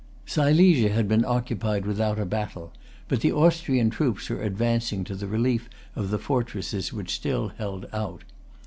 Silesia had been occupied without a battle; but the Austrian troops were advancing to the relief of the fortresses which still held out.